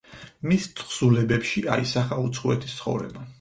მის თხზულებებში აისახა უცხოეთის ცხოვრება.